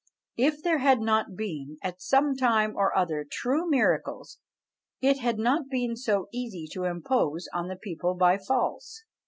If there had not been, at some time or other, true miracles, it had not been so easy to impose on the people by false.